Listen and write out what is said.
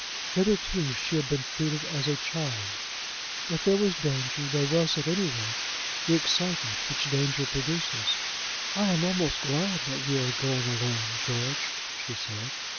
Hitherto she had been treated as a child. If there was danger, there was, at any rate, the excitement which danger produces. "I am almost glad that we are going alone, George," she said.